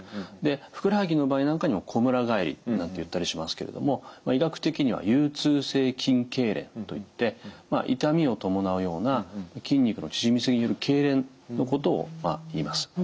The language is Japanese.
ふくらはぎの場合なんかにもこむら返りなんていったりしますけれども医学的には有痛性筋けいれんといって痛みを伴うような筋肉の縮みすぎるけいれんのことをいいます。